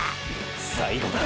最後だ！！